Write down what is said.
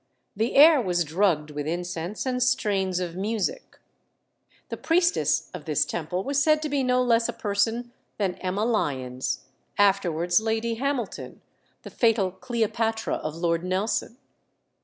The air was drugged with incense and strains of music. The priestess of this temple was said to be no less a person than Emma Lyons, afterwards Lady Hamilton, the fatal Cleopatra of Lord Nelson.